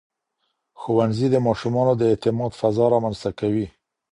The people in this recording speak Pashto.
ښوونځي د ماشومانو د اعتماد فضا رامنځته کوي.